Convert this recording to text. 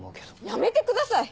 やめてください。